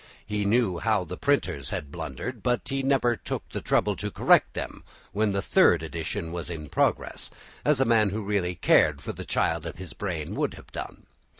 He knew how the printers had blundered, but he never took the trouble to correct them when the third edition was in progress, as a man who really cared for the child of his brain would have done.